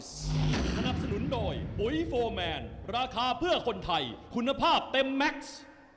สนับสนุนโดยปุ๋ยโฟร์แมนราคาเพื่อคนไทยคุณภาพเต็มแม็กซ์